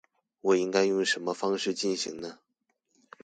我應該用什麼方式進行呢？